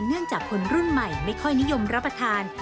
เนื่องจากคนรุ่นใหม่ไม่ค่อยนิยมรับประทาน